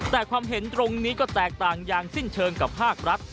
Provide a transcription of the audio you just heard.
แต่ความเห็นตรงนี้ก็แตกต่างอย่างสิ้นเชิงกับภาครัฐ